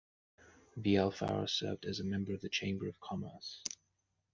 Vielfaure served as a member of the Chamber of Commerce.